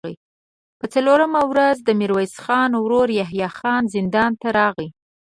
په څلورمه ورځ د ميرويس خان ورو يحيی خان زندان ته راغی.